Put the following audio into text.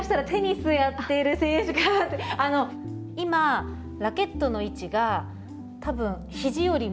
今ラケットの位置が多分肘よりも。